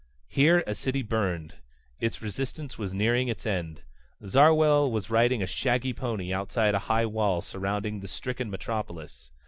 Here a city burned. Its resistance was nearing its end. Zarwell was riding a shaggy pony outside a high wall surrounding the stricken metropolis.